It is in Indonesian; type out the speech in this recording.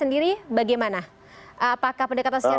kemudian di mana mereka harus mencapai pendekatan yang terbaik